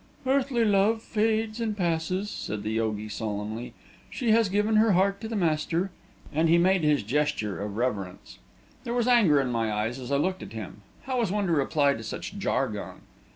"Earthly love fades and passes," said the yogi, solemnly. "She has given her heart to the Master," and he made his gesture of reverence. There was anger in my eyes as I looked at him. How was one to reply to such jargon?